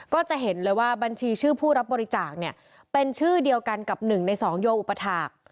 ก็จะเห็นเลยว่าบัญชีชื่อผู้รับบริจาคเนี่ยเป็นชื่อเดียวกันกับ๑ใน๒โยอุปถาค